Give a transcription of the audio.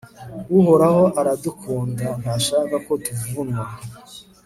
Uhoraho aradukunda ntashaka ko tuvunwa